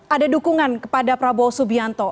ada dukungan kepada prabowo subianto